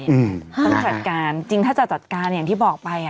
ต้องจัดการจริงถ้าจะจัดการอย่างที่บอกไปอ่ะ